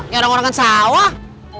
ngarang orang akan sawah